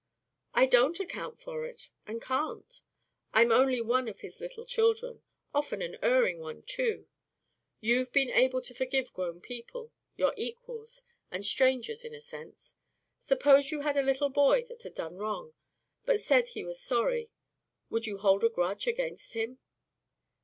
"I don't account for it and can't. I'm only one of his little children; often an erring one, too. You've been able to forgive grown people, your equals, and strangers in a sense. Suppose you had a little boy that had done wrong, but said he was sorry, would you hold a grudge against him?"